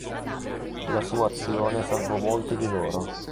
La sua azione salvò molti di loro.